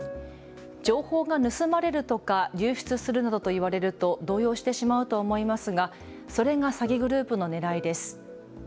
情報が盗まれるとか流出するなどと言われると動揺してしまうと思いますがそれが詐欺グループのねらいです。